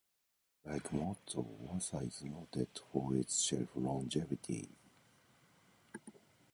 Like matzo, Wasa is noted for its shelf longevity.